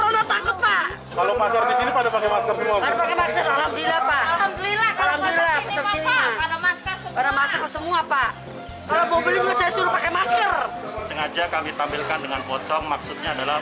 yang aja kami tampilkan dengan pocong maksudnya adalah